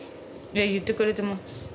言ってくれてます。